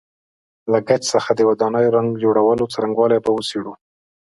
له ګچ څخه د ودانیو رنګ جوړولو څرنګوالی به وڅېړو.